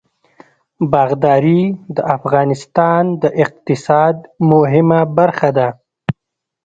باغداري د افغانستان د اقتصاد مهمه برخه ده.